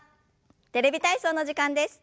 「テレビ体操」の時間です。